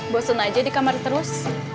bosen aja di kamar terus